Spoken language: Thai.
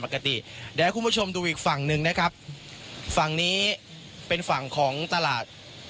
เดี๋ยวให้คุณผู้ชมดูอีกฝั่งหนึ่งนะครับฝั่งนี้เป็นฝั่งของตลาด